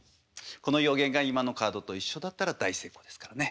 この予言が今のカードと一緒だったら大成功ですからね。